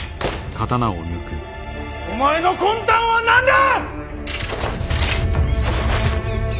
お前の魂胆は何だ！